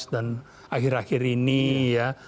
akhir akhir ini ya